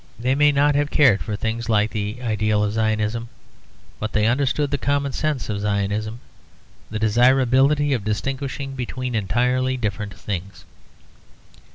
They may not have cared for things like the ideal of Zionism; but they understood the common sense of Zionism, the desirability of distinguishing between entirely different things.